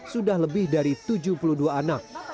sudah lebih dari tujuh puluh dua anak